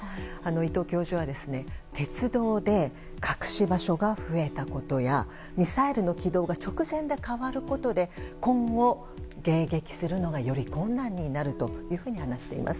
伊藤教授は鉄道で隠し場所が増えたことやミサイルの軌道が直前で変わることで今後、迎撃するのがより困難になると話しています。